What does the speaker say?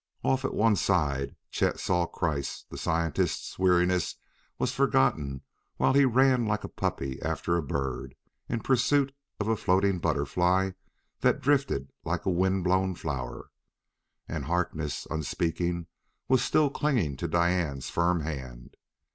Off at one side, Chet saw Kreiss; the scientist's weariness was forgotten while he ran like a puppy after a bird, in pursuit of a floating butterfly that drifted like a wind blown flower. And Harkness, unspeaking, was still clinging to Diane's firm hand....